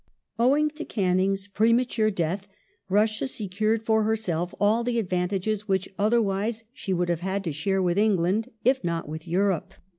Owing to Canning's premature death Russia secured for herself all the advantages which otherwise she would have had to share with England, if not with Europe.